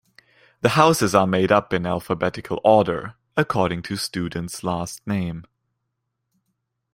The houses are made up in alphabetical order, according to students last name.